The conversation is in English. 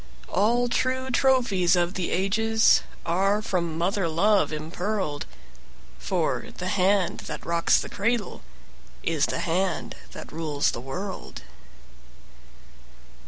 All true trophies of the ages Are from mother love impearled; For the hand that rocks the cradle Is the hand that rules the world.